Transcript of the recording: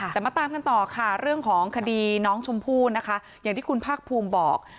แต่มาตามกันต่อค่ะเรื่องของคดีน้องชมพู่นะคะอย่างที่คุณภาคภูมิบอก